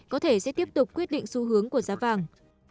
có thể sẽ tiếp tục quyết định xu hướng của giá vàng